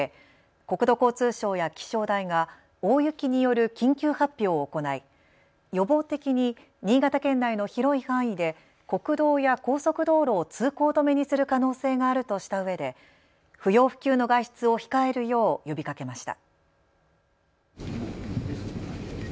国土交通省や気象台が大雪による緊急発表を行い予防的に新潟県内の広い範囲で国道や高速道路を通行止めにする可能性があるとしたうえで不要不急の外出を控えるよう呼びかけました。